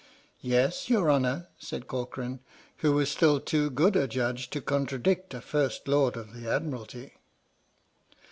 "Yes, your Honour," said Corcoran, who was still too good a judge to contradict a First Lord of the Admiralty.